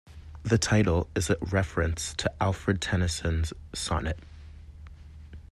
The title is a reference to Alfred Tennyson's sonnet "".